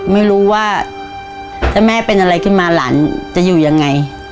ไม่รู้ว่าถ้าแม่เป็นอะไรขึ้นมาหลานจะอยู่ยังไง